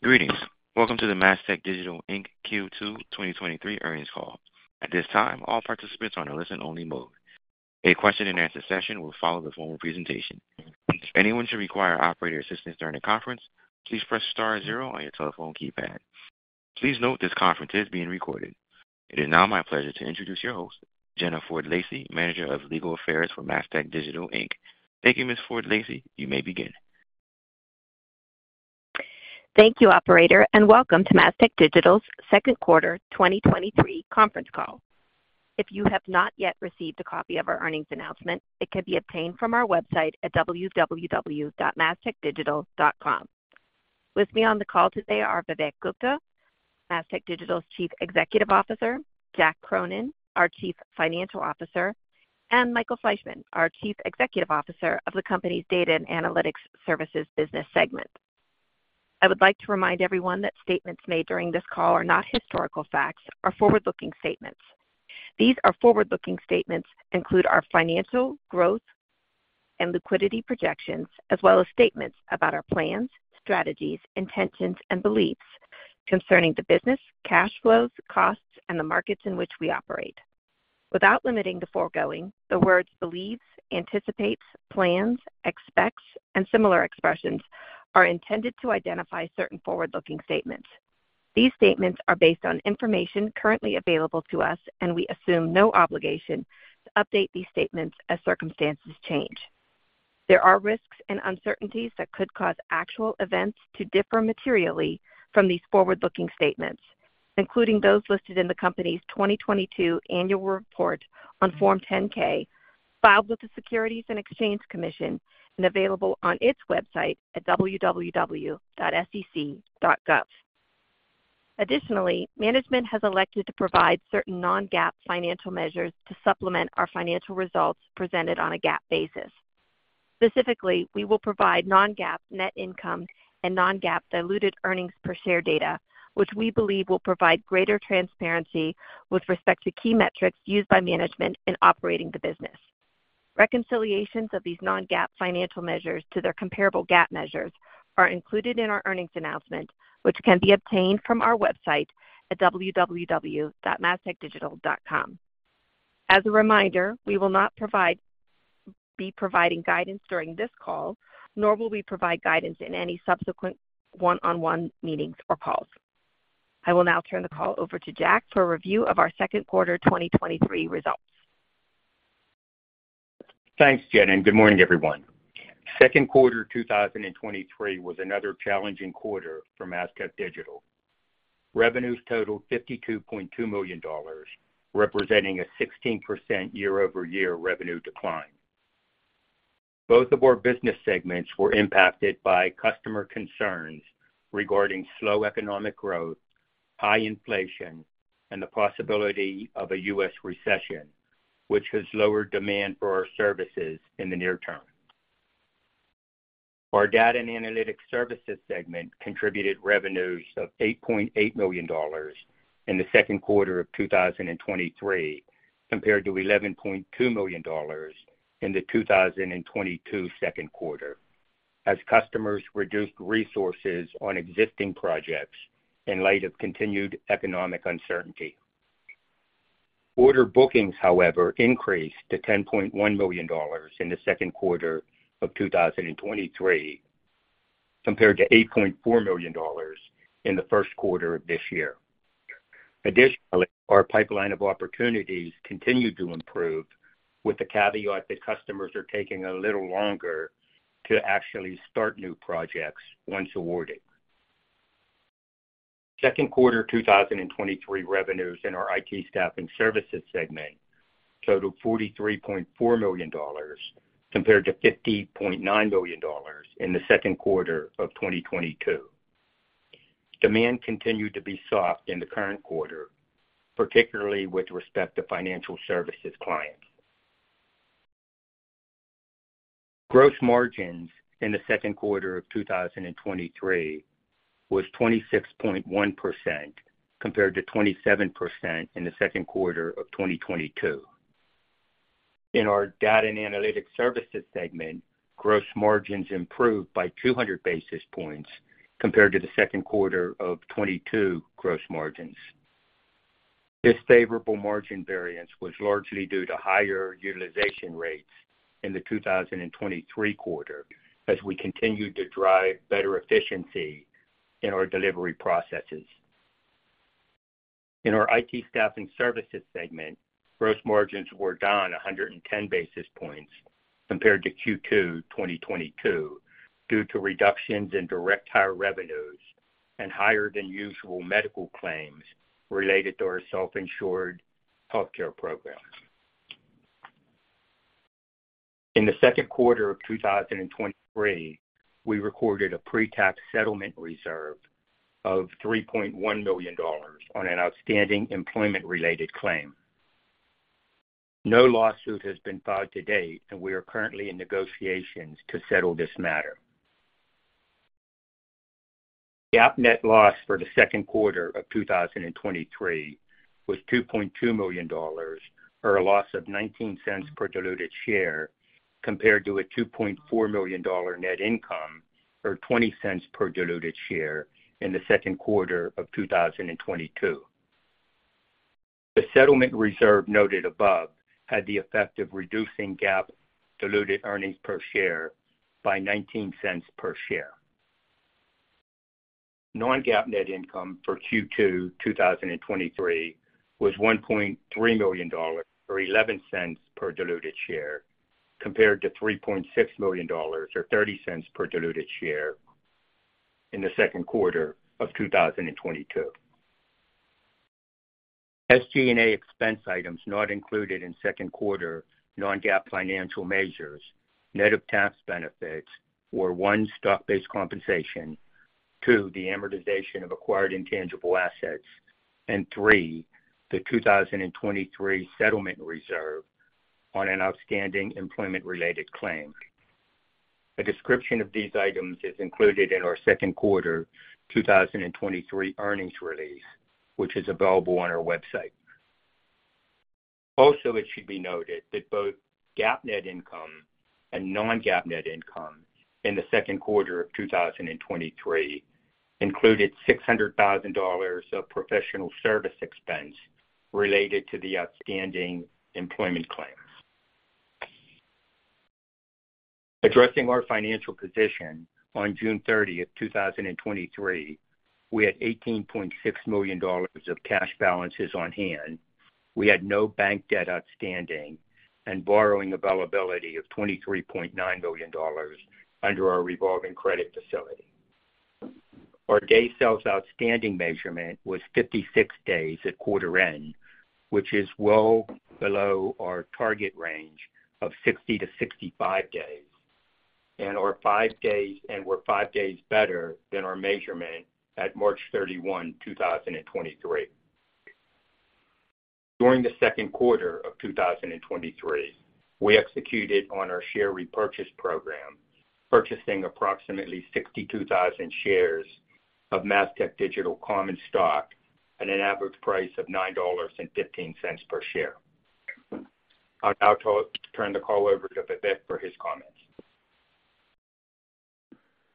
Greetings! Welcome to the Mastech Digital Inc Q2 2023 earnings call. At this time, all participants are in a listen-only mode. A question-and-answer session will follow the formal presentation. If anyone should require operator assistance during the conference, please press star zero on your telephone keypad. Please note, this conference is being recorded. It is now my pleasure to introduce your host, Jennifer Ford Lacey, Manager of Legal Affairs for Mastech Digital, Inc. Thank you, Ms. Ford Lacey. You may begin. Thank you, Operator. Welcome to Mastech Digital's Q2 2023 conference call. If you have not yet received a copy of our earnings announcement, it can be obtained from our website at www.mastechdigital.com. With me on the call today are Vivek Gupta, Mastech Digital's Chief Executive Officer; Jack Cronin, our Chief Financial Officer; and Michael Fleishman, our Chief Executive Officer of the company's Data and Analytics Services business segment. I would like to remind everyone that statements made during this call are not historical facts and are forward-looking statements. These forward-looking statements include our financial, growth, and liquidity projections, as well as statements about our plans, strategies, intentions, and beliefs concerning the business, cash flows, costs, and the markets in which we operate. Without limiting the foregoing, the words believes, anticipates, plans, expects, and similar expressions are intended to identify certain forward-looking statements. These statements are based on information currently available to us, and we assume no obligation to update these statements as circumstances change. There are risks and uncertainties that could cause actual events to differ materially from these forward-looking statements, including those listed in the company's 2022 annual report on Form 10-K, filed with the Securities and Exchange Commission and available on its website at www.sec.gov. Additionally, management has elected to provide certain non-GAAP financial measures to supplement our financial results presented on a GAAP basis. Specifically, we will provide non-GAAP net income and non-GAAP diluted earnings per share data, which we believe will provide greater transparency with respect to key metrics used by management in operating the business. Reconciliations of these non-GAAP financial measures to their comparable GAAP measures are included in our earnings announcement, which can be obtained from our website at www.mastechdigital.com. As a reminder, we will not be providing guidance during this call, nor will we provide guidance in any subsequent one-on-one meetings or calls. I will now turn the call over to Jack for a review of our Q2 2023 results. Thanks, Jenni, and good morning, everyone. Q2 2023 was another challenging quarter for Mastech Digital. Revenues totaled $52.2 million, representing a 16% year-over-year revenue decline. Both of our business segments were impacted by customer concerns regarding slow economic growth, high inflation, and the possibility of a U.S. recession, which has lowered demand for our services in the near term. Our Data and Analytics Services segment contributed revenues of $8.8 million in the Q2 2023, compared to $11.2 million in the 2022 second quarter, as customers reduced resources on existing projects in light of continued economic uncertainty. Order bookings, however, increased to $10.1 million in Q2 2023, compared to $8.4 million in 1Q this year. Additionally, our pipeline of opportunities continued to improve, with the caveat that customers are taking a little longer to actually start new projects once awarded. Q2 2023 revenues in our IT Staffing Services segment totaled $43.4 million, compared to $50.9 million in 2Q 2022. Demand continued to be soft in the current quarter, particularly with respect to financial services clients. Gross margins in Q2 2023 was 26.1%, compared to 27% in 2Q 2022. In our Data and Analytics Services segment, gross margins improved by 200 basis points compared to the second quarter of 2022 gross margins. This favorable margin variance was largely due to higher utilization rates in the 2023 quarter as we continued to drive better efficiency in our delivery processes. In our IT Staffing Services segment, gross margins were down 110 basis points compared to Q2 2022, due to reductions in direct hire revenues and higher than usual medical claims related to our self-insured healthcare program. In the second quarter of 2023, we recorded a pre-tax settlement reserve of $3.1 million on an outstanding employment-related claim. No lawsuit has been filed to date, and we are currently in negotiations to settle this matter. The GAAP net loss for the second quarter of 2023 was $2.2 million, or a loss of $0.19 per diluted share, compared to a $2.4 million net income, or $0.20 per diluted share in the second quarter of 2022. The settlement reserve noted above had the effect of reducing GAAP diluted earnings per share by $0.19 per share. Non-GAAP net income for Q2 2023 was $1.3 million, or $0.11 per diluted share, compared to $3.6 million, or $0.30 per diluted share in the second quarter of 2022. SG&A expense items not included in second quarter non-GAAP financial measures, net of tax benefits, were, one, stock-based compensation, two, the amortization of acquired intangible assets, and three, the 2023 settlement reserve on an outstanding employment-related claim. A description of these items is included in our Q2 2023 earnings release, which is available on our website. Also, it should be noted that both GAAP net income and non-GAAP net income in the second quarter of 2023 included $600,000 of professional service expense related to the outstanding employment claims. Addressing our financial position on June 30, 2023, we had $18.6 million of cash balances on hand. We had no bank debt outstanding and borrowing availability of $23.9 million under our revolving credit facility. Our day sales outstanding measurement was 56 days at quarter end, which is well below our target range of 60-65 days, and we're five days better than our measurement at March 31, 2023. During the second quarter of 2023, we executed on our share repurchase program, purchasing approximately 62,000 shares of Mastech Digital common stock at an average price of $9.15 per share. I'll now turn the call over to Vivek for his comments.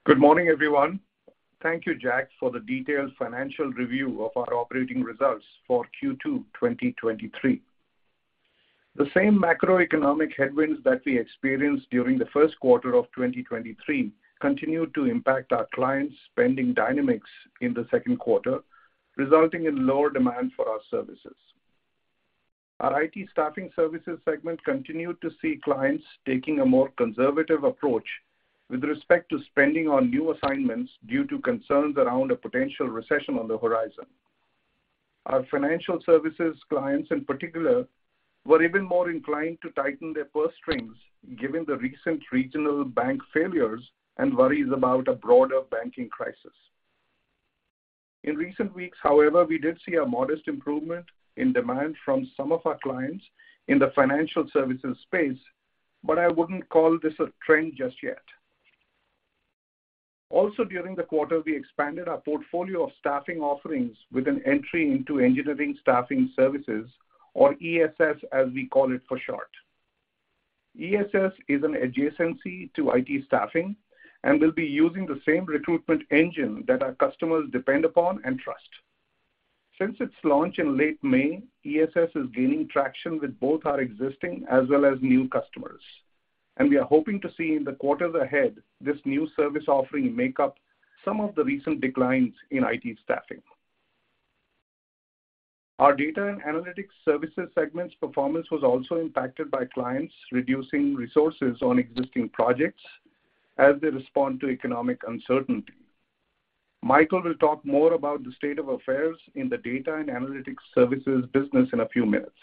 Good morning, everyone. Thank you, Jack, for the detailed financial review of our operating results for Q2, 2023. The same macroeconomic headwinds that we experienced during the first quarter of 2023 continued to impact our clients' spending dynamics in the second quarter, resulting in lower demand for our services. Our IT Staffing Services segment continued to see clients taking a more conservative approach with respect to spending on new assignments due to concerns around a potential recession on the horizon. Our financial services clients, in particular, were even more inclined to tighten their purse strings, given the recent regional bank failures and worries about a broader banking crisis. In recent weeks, however, we did see a modest improvement in demand from some of our clients in the financial services space, but I wouldn't call this a trend just yet. Also, during the quarter, we expanded our portfolio of staffing offerings with an entry into Engineering Staffing Services, or ESS, as we call it for short. ESS is an adjacency to IT staffing and will be using the same recruitment engine that our customers depend upon and trust. Since its launch in late May, ESS is gaining traction with both our existing as well as new customers. We are hoping to see in the quarters ahead this new service offering make up some of the recent declines in IT staffing. Our Data and Analytics Services segment's performance was also impacted by clients reducing resources on existing projects as they respond to economic uncertainty. Michael will talk more about the state of affairs in the Data and Analytics Services business in a few minutes.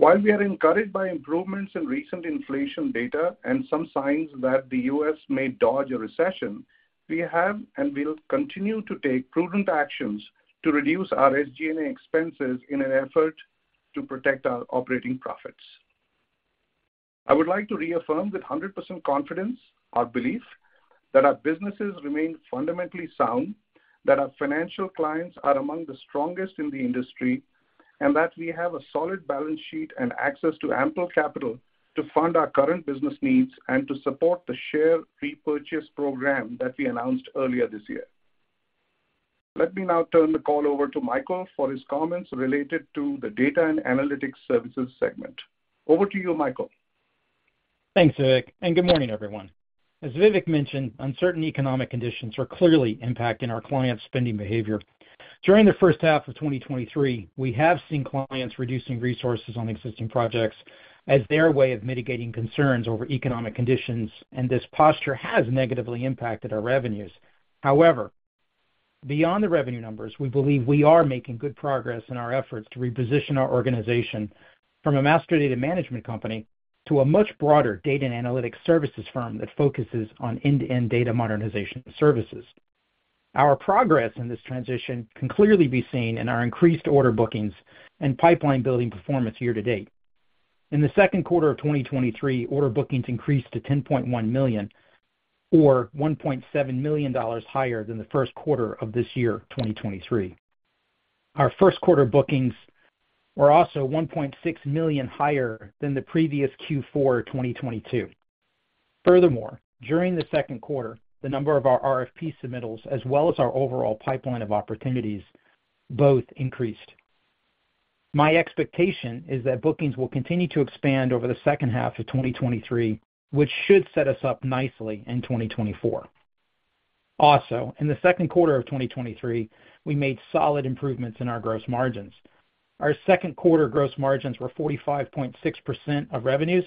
While we are encouraged by improvements in recent inflation data and some signs that the U.S. may dodge a recession, we have and will continue to take prudent actions to reduce our SG&A expenses in an effort to protect our operating profits. I would like to reaffirm with 100% confidence our belief that our businesses remain fundamentally sound, that our financial clients are among the strongest in the industry, and that we have a solid balance sheet and access to ample capital to fund our current business needs and to support the share repurchase program that we announced earlier this year. Let me now turn the call over to Michael for his comments related to the Data and Analytics Services segment. Over to you, Michael. Thanks, Vivek, and good morning, everyone. As Vivek mentioned, uncertain economic conditions are clearly impacting our clients' spending behavior. During the first half of 2023, we have seen clients reducing resources on existing projects as their way of mitigating concerns over economic conditions, and this posture has negatively impacted our revenues. However, beyond the revenue numbers, we believe we are making good progress in our efforts to reposition our organization from a Master Data Management company to a much broader Data and Analytics Services firm that focuses on end-to-end data modernization services. Our progress in this transition can clearly be seen in our increased order bookings and pipeline building performance year to date. In the second quarter of 2023, order bookings increased to $10.1 million, or $1.7 million higher than the first quarter of this year, 2023. Our first quarter bookings were also $1.6 million higher than the previous Q4 2022. Furthermore, during the second quarter, the number of our RFP submittals, as well as our overall pipeline of opportunities, both increased. My expectation is that bookings will continue to expand over the second half of 2023, which should set us up nicely in 2024. Also, in the second quarter of 2023, we made solid improvements in our gross margins. Our second quarter gross margins were 45.6% of revenues,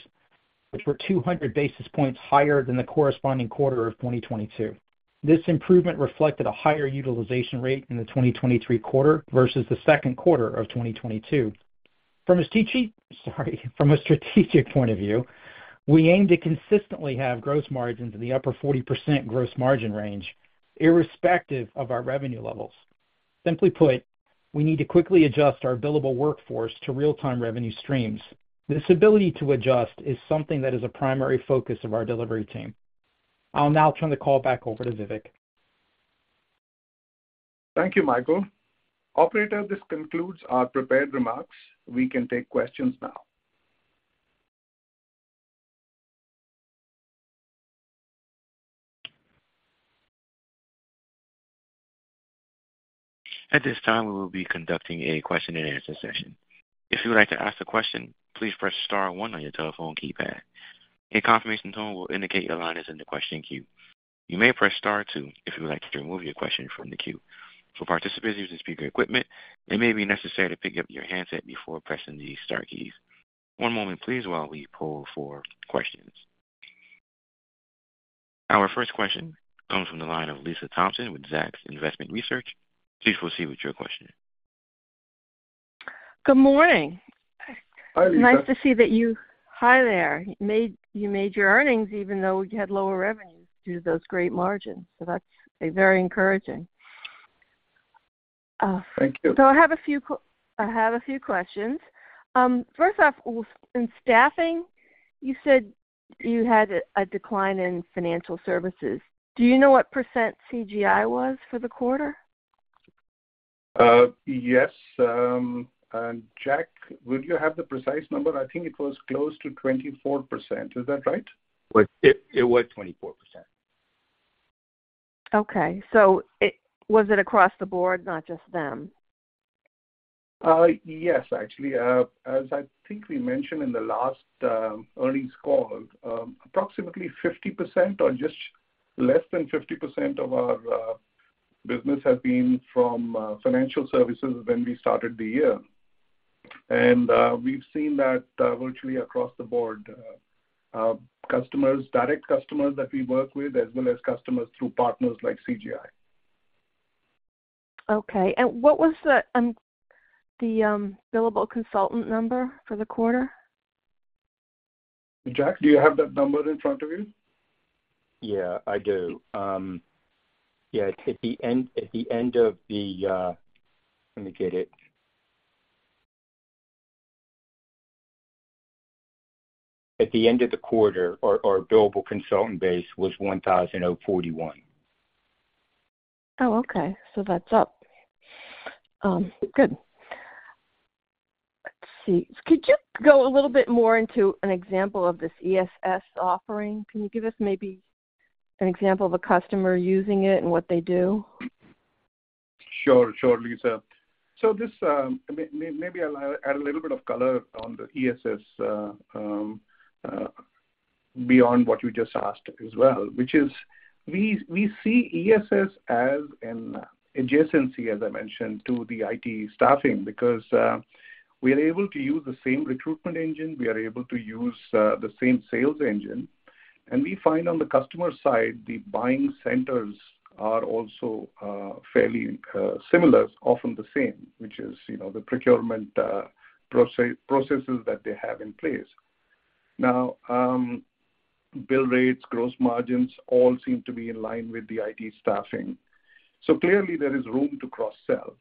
which were 200 basis points higher than the corresponding quarter of 2022. This improvement reflected a higher utilization rate in the 2023 quarter versus the second quarter of 2022. From a sorry, from a strategic point of view, we aim to consistently have gross margins in the upper 40% gross margin range, irrespective of our revenue levels. Simply put, we need to quickly adjust our billable workforce to real-time revenue streams. This ability to adjust is something that is a primary focus of our delivery team. I'll now turn the call back over to Vivek. Thank you, Michael. Operator, this concludes our prepared remarks. We can take questions now. At this time, we will be conducting a question-and-answer session. If you would like to ask a question, please press star one on your telephone keypad. A confirmation tone will indicate your line is in the question queue. You may press star two if you would like to remove your question from the queue. For participants using speaker equipment, it may be necessary to pick up your handset before pressing the star keys. One moment, please, while we poll for questions. Our first question comes from the line of Lisa Thompson with Zacks Investment Research. Please proceed with your question. Good morning. Hi, Lisa. Hi there. You made your earnings even though you had lower revenues due to those great margins. That's a very encouraging. Thank you. I have a few questions. First off, well, in staffing, you said you had a decline in financial services. Do you know what % CGI was for the quarter? Yes. Jack, would you have the precise number? I think it was close to 24%. Is that right? It was 24%. Okay. Was it across the board, not just them? Yes, actually. As I think we mentioned in the last earnings call, approximately 50% or just less than 50% of our business has been from financial services when we started the year. We've seen that virtually across the board, customers, direct customers that we work with, as well as customers through partners like CGI. Okay. What was the, the billable consultant number for the quarter? Jack, do you have that number in front of you? Yeah, I do. Yeah, it's at the end, at the end of the. Let me get it. At the end of the quarter, our, our billable consultant base was 1,041. Oh, okay, that's up. Good. Let's see. Could you go a little bit more into an example of this ESS offering? Can you give us maybe an example of a customer using it and what they do? Sure. Sure, Lisa. This may, may, maybe I'll add a little bit of color on the ESS beyond what you just asked as well, which is, we, we see ESS as an adjacency, as I mentioned, to the IT staffing, because we are able to use the same recruitment engine, we are able to use the same sales engine. We find on the customer side, the buying centers are also fairly similar, often the same, which is, you know, the procurement processes that they have in place. Now, bill rates, gross margins, all seem to be in line with the IT staffing. Clearly there is room to cross-sell.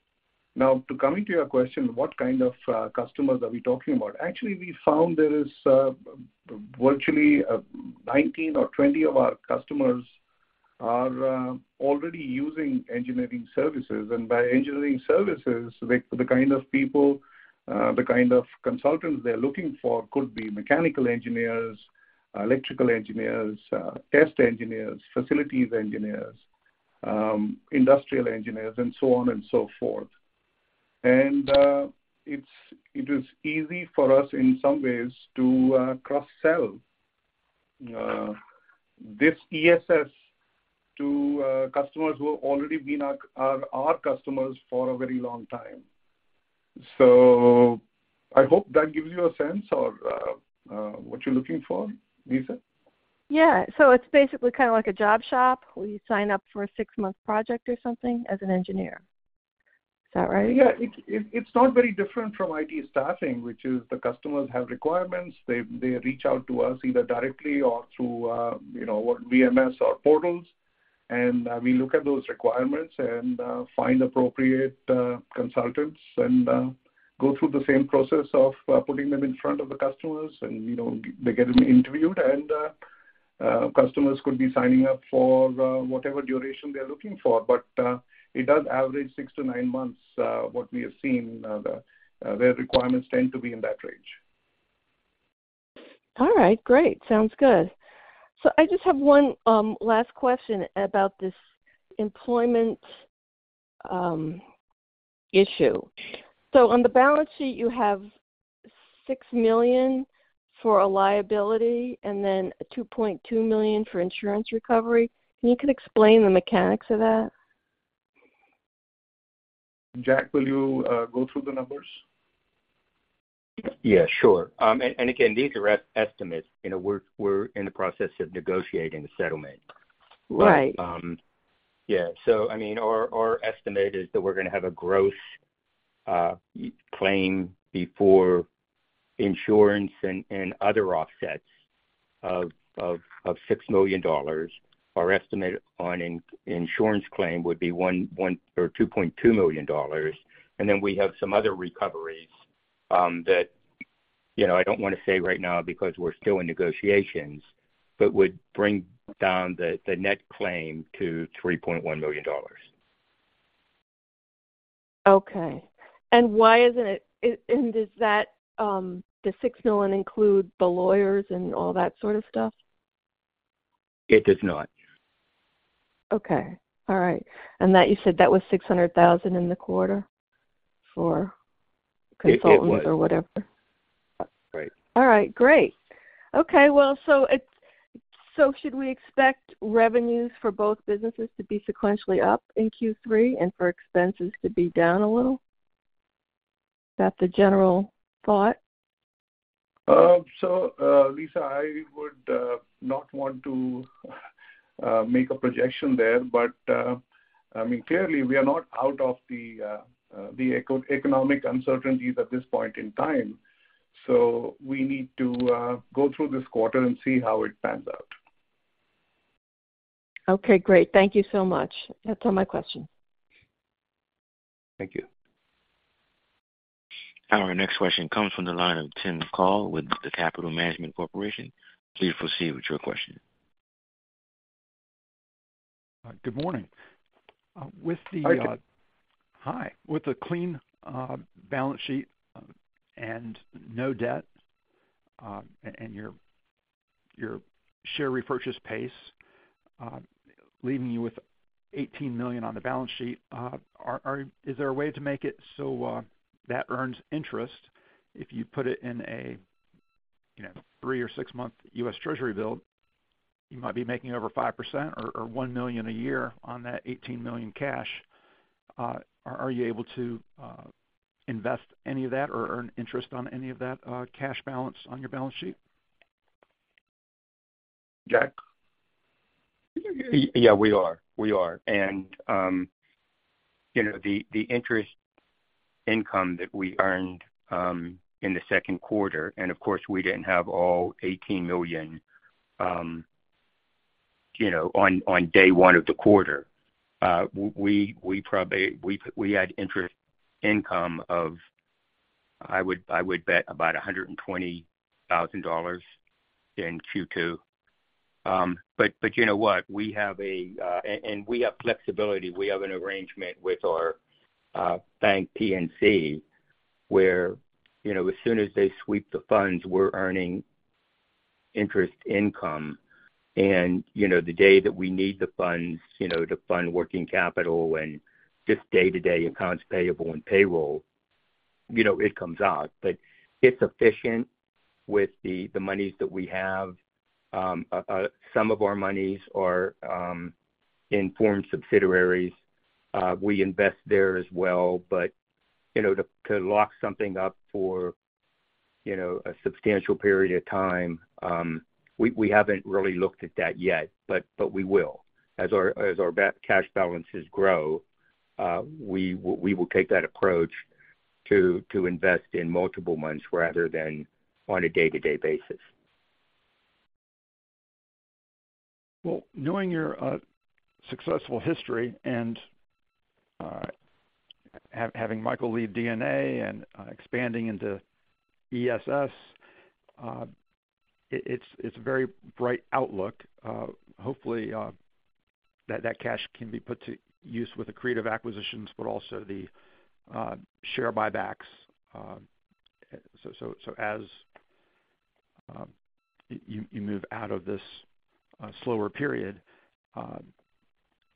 Now, to come to your question, what kind of customers are we talking about? Actually, we found there is virtually 19 or 20 of our customers are already using engineering services. By engineering services, the, the kind of people, the kind of consultants they're looking for could be mechanical engineers, electrical engineers, test engineers, facilities engineers, industrial engineers, and so on and so forth. It's, it is easy for us in some ways to cross-sell this ESS to customers who have already been our, are our customers for a very long time. I hope that gives you a sense or what you're looking for, Lisa. Yeah. It's basically kind of like a job shop, where you sign up for a 6-month project or something as an engineer. Is that right? Yeah. It, it, it's not very different from IT Staffing, which is the customers have requirements. They, they reach out to us either directly or through, you know, VMS or portals, and we look at those requirements and find appropriate consultants and go through the same process of putting them in front of the customers and, you know, they get interviewed. Customers could be signing up for whatever duration they're looking for, but it does average 6 to 9 months, what we have seen, the, their requirements tend to be in that range. All right, great. Sounds good. I just have one last question about this employment issue. On the balance sheet, you have $6 million for a liability and then $2.2 million for insurance recovery. Can you could explain the mechanics of that? Jack, will you go through the numbers? Yeah, sure. Again, these are estimates. You know, we're, we're in the process of negotiating the settlement. Right. Yeah, so I mean, our, our estimate is that we're going to have a gross claim before insurance and, and other offsets of, of, of $6 million. Our estimate on insurance claim would be $1.1 million or $2.2 million. Then we have some other recoveries that, you know, I don't want to say right now because we're still in negotiations, but would bring down the net claim to $3.1 million. Okay. Why isn't it, and does that, the $6 million include the lawyers and all that sort of stuff? It does not. Okay. All right. That you said that was $600,000 in the quarter for- It, it was. Consultants or whatever. Right. All right, great! Okay, well, should we expect revenues for both businesses to be sequentially up in Q3 and for expenses to be down a little? Is that the general thought? Lisa, I would not want to make a projection there, but, I mean, clearly, we are not out of the economic uncertainties at this point in time, so we need to go through this quarter and see how it pans out. Okay, great. Thank you so much. That's all my questions. Thank you. Our next question comes from the line of Tim Call with Capital Management Corporation. Please proceed with your question. Good morning. Hi, Tim. Hi. With a clean balance sheet, and no debt, and your share repurchase pace, leaving you with $18 million on the balance sheet, are. Is there a way to make it so that earns interest if you put it in a, you know, three or six-month U.S. Treasury bill, you might be making over 5% or $1 million a year on that $18 million cash. Are you able to invest any of that or earn interest on any of that cash balance on your balance sheet? Jack? Yeah, we are. We are. You know, the, the interest income that we earned, in the second quarter, and of course, we didn't have all $18 million, you know, on, on day one of the quarter. We, we probably, we, we had interest income of, I would, I would bet, about $120,000 in Q2. You know what? We have a. We have flexibility. We have an arrangement with our bank, PNC, where, you know, as soon as they sweep the funds, we're earning interest income. You know, the day that we need the funds, you know, to fund working capital and just day-to-day accounts payable and payroll, you know, it comes out. It's efficient with the, the monies that we have. Some of our monies are in foreign subsidiaries. We invest there as well, but, you know, to, to lock something up for, you know, a substantial period of time, we, we haven't really looked at that yet, but, but we will. As our, as our cash balances grow, we will, we will take that approach to, to invest in multiple months rather than on a day-to-day basis. Well, knowing your successful history and having Michael lead DNA and expanding into ESS, it's a very bright outlook. Hopefully, that cash can be put to use with the creative acquisitions, but also the share buybacks. As you move out of this slower period,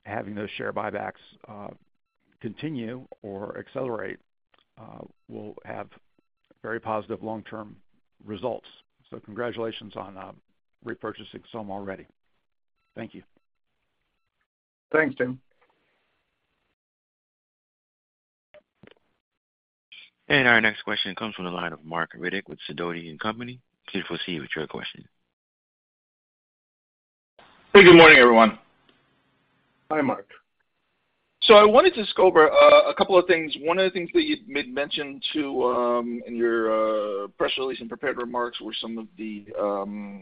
having those share buybacks continue or accelerate will have very positive long-term results. Congratulations on repurchasing some already. Thank you. Thanks, Tim. Our next question comes from the line of Marc Riddick with Sidoti & Company. Please proceed with your question. Hey, good morning, everyone. Hi, Marc. I wanted to just go over a couple of things. One of the things that you'd made mention to in your press release and prepared remarks were some of the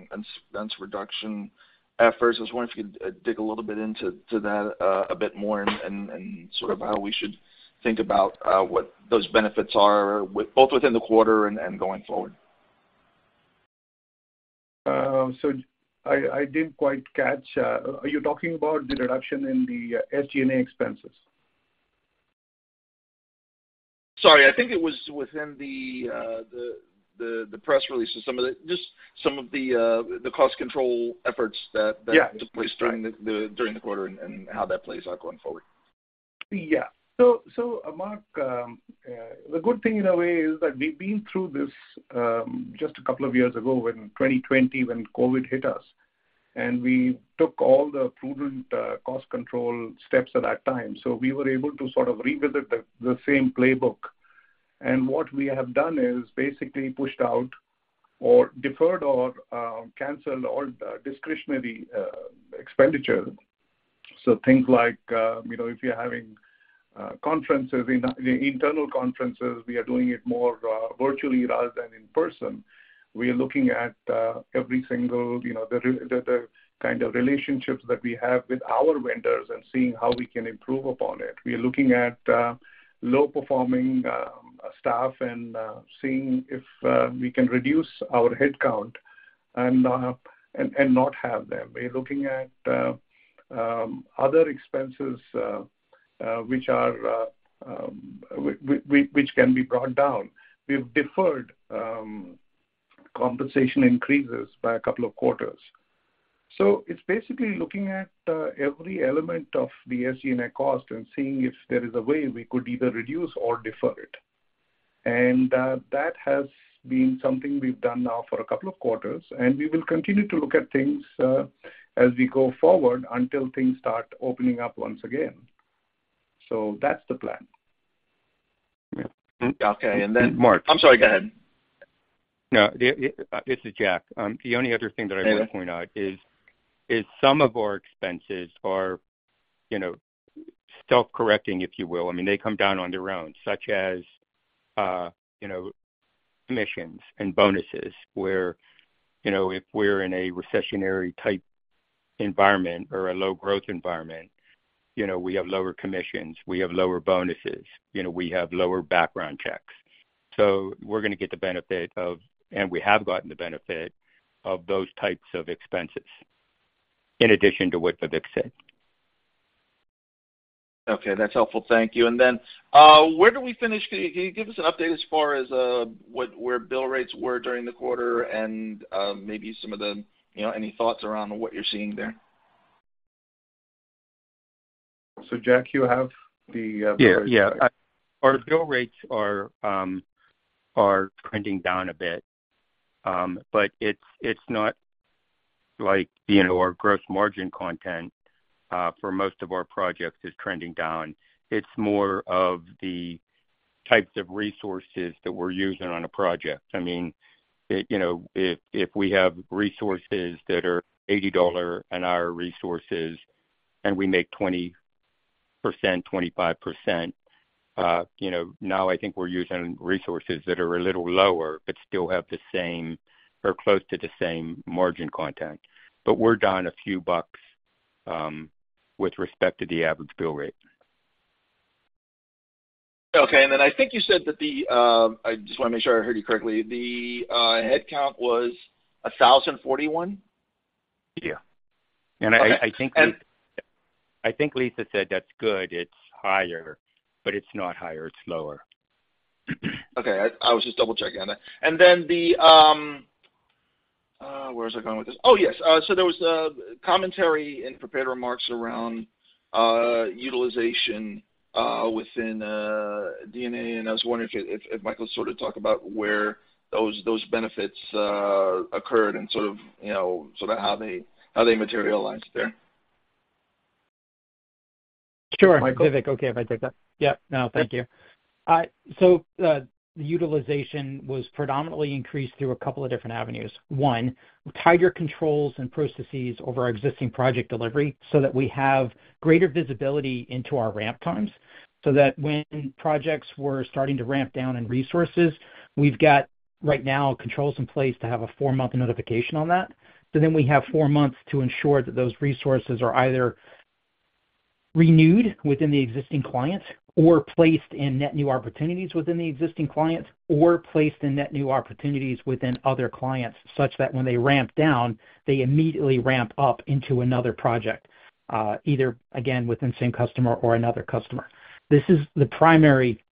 expense reduction efforts. I was wondering if you could dig a little bit into to that a bit more and, and, and sort of how we should think about what those benefits are with, both within the quarter and, and going forward. I, I didn't quite catch. Are you talking about the reduction in the SG&A expenses? Sorry, I think it was within the press release or some of the cost control efforts that took place during the, during the quarter and, and how that plays out going forward. Yeah. So, Marc, the good thing in a way is that we've been through this, just a couple of years ago when 2020, when COVID hit us, we took all the prudent cost control steps at that time. We were able to sort of revisit the same playbook. What we have done is basically pushed out or deferred or canceled all the discretionary expenditure. Things like, you know, if you're having conferences, the internal conferences, we are doing it more virtually rather than in person. We are looking at every single, you know, the kind of relationships that we have with our vendors and seeing how we can improve upon it. We are looking at low-performing staff and seeing if we can reduce our headcount and not have them. We're looking at other expenses which can be brought down. We've deferred compensation increases by a couple of quarters. It's basically looking at every element of the SG&A cost and seeing if there is a way we could either reduce or defer it. That has been something we've done now for a couple of quarters, and we will continue to look at things as we go forward until things start opening up once again. That's the plan. Okay, and then. Marc. I'm sorry, go ahead. No, the, this is Jack. The only other thing that I would point out is, is some of our expenses are, you know, self-correcting, if you will. I mean, they come down on their own, such as, you know, commissions and bonuses, where, you know, if we're in a recessionary-type environment or a low growth environment, you know, we have lower commissions, we have lower bonuses, you know, we have lower background checks. We're gonna get the benefit of, and we have gotten the benefit of, those types of expenses in addition to what Vivek said. Okay, that's helpful. Thank you. Then, where do we finish? Can you, can you give us an update as far as what, where bill rates were during the quarter and, maybe some of the, you know, any thoughts around what you're seeing there? Jack, you have the bill rates? Yeah, yeah. Our bill rates are trending down a bit. It's, it's not like, you know, our gross margin content, for most of our projects is trending down. It's more of the types of resources that we're using on a project. I mean, you know, if, if we have resources that are $80 an hour resources and we make 20%, 25%, you know, now I think we're using resources that are a little lower, but still have the same or close to the same margin content. We're down a few dollars, with respect to the average bill rate. Okay. I think you said that the, I just wanna make sure I heard you correctly, the headcount was 1,041? Yeah. Okay. I, I think, I think Lisa said that's good, it's higher, but it's not higher, it's lower. Okay, I, I was just double-checking on that. The, where was I going with this? There was a commentary in prepared remarks around utilization within DNA, and I was wondering if, if, if Michael could sort of talk about where those benefits occurred and sort of, you know, sort of how they, how they materialized there. Sure. Michael? Vivek, okay, if I take that. Yeah. No, thank you. The utilization was predominantly increased through a couple of different avenues. One, tighter controls and processes over our existing project delivery, so that we have greater visibility into our ramp times, so that when projects were starting to ramp down in resources, we've got right now, controls in place to have a four-month notification on that. We have four months to ensure that those resources are either renewed within the existing clients or placed in net new opportunities within the existing clients, or placed in net new opportunities within other clients, such that when they ramp down, they immediately ramp up into another project, either again, within the same customer or another customer. This is the primary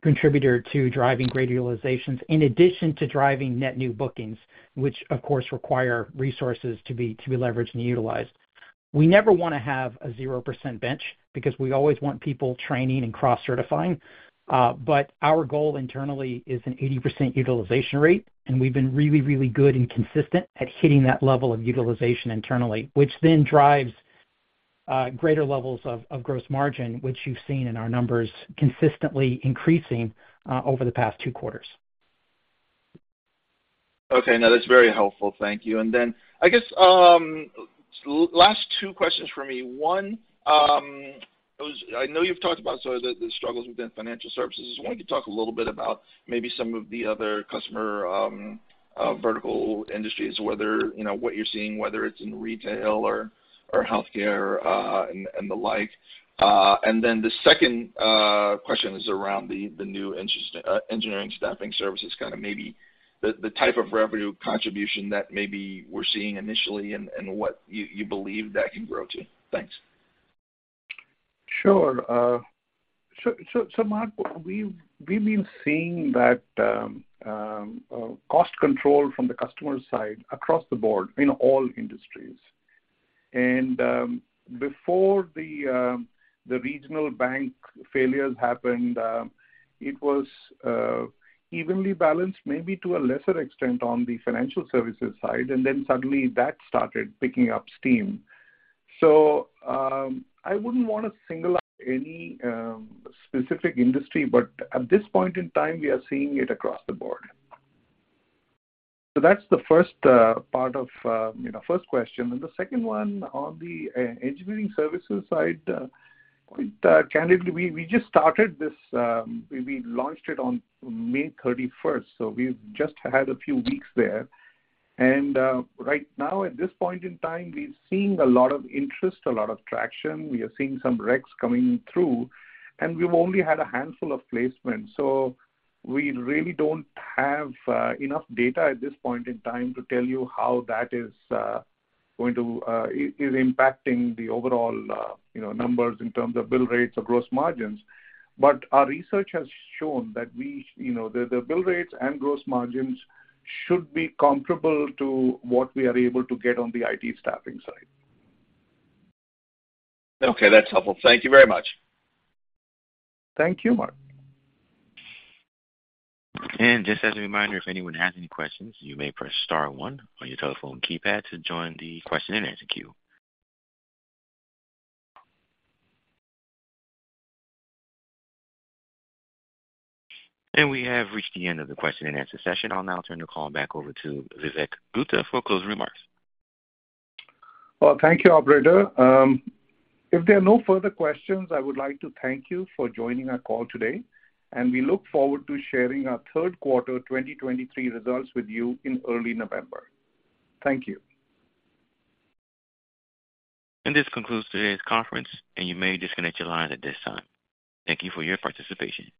contributor to driving great utilizations, in addition to driving net new bookings, which of course require resources to be, to be leveraged and utilized. We never wanna have a 0% bench, because we always want people training and cross-certifying. Our goal internally is an 80% utilization rate, and we've been really, really good and consistent at hitting that level of utilization internally, which then drives greater levels of, of gross margin, which you've seen in our numbers consistently increasing over the past two quarters. Okay. No, that's very helpful. Thank you. Then I guess, last two questions for me. One, I know you've talked about sort of the, the struggles within financial services. I was wondering if you could talk a little bit about maybe some of the other customer, vertical industries, whether, you know, what you're seeing, whether it's in retail or, or healthcare, and, and the like. Then the second, question is around the, the new Engineering Staffing Services, kind of maybe the, the type of revenue contribution that maybe we're seeing initially and, and what you, you believe that can grow to. Thanks. Sure. Marc Riddick, we've been seeing that cost control from the customer side across the board in all industries. Before the regional bank failures happened, it was evenly balanced, maybe to a lesser extent on the financial services side, and then suddenly that started picking up steam. I wouldn't want to single out any specific industry, but at this point in time, we are seeing it across the board. That's the first part of, you know, first question. The second one on the Engineering Staffing Services side, quite candidly, we just started this, we launched it on May 31st, so we've just had a few weeks there. Right now, at this point in time, we've seen a lot of interest, a lot of traction. We are seeing some recs coming through. We've only had a handful of placements. We really don't have enough data at this point in time to tell you how that is going to is impacting the overall, you know, numbers in terms of bill rates or gross margins. Our research has shown that we, you know, the, the bill rates and gross margins should be comparable to what we are able to get on the IT staffing side. Okay, that's helpful. Thank you very much. Thank you, Marc. Just as a reminder, if anyone has any questions, you may press star one on your telephone keypad to join the question-and-answer queue. We have reached the end of the question-and-answer session. I'll now turn the call back over to Vivek Gupta for closing remarks. Well, thank you, operator. If there are no further questions, I would like to thank you for joining our call today, and we look forward to sharing our third quarter 2023 results with you in early November. Thank you. This concludes today's conference, and you may disconnect your lines at this time. Thank you for your participation.